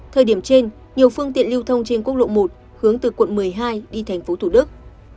thời điểm trên nhiều phương tiện lưu thông trên quốc lộ một hướng từ quận một mươi hai đi thành phố thủ đức